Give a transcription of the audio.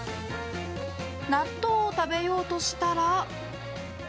納豆を食べようとしたら。